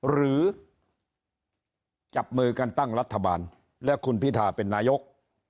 หรือจับมือกันตั้งรัฐบาลและคุณพิธาเป็นนายก